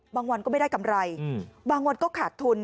วันก็ไม่ได้กำไรบางวันก็ขาดทุน